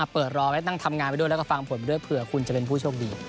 เปิดรอไว้ตั้งทำงานไปด้วยแล้วก็ฟังผลไปด้วยเผื่อคุณจะเป็นผู้โชคดี